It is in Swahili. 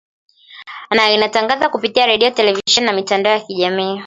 na inatangaza kupitia redio televisheni na mitandao ya kijamii